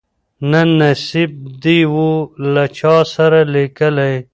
نه نصیب دي وو له چا سره لیکلی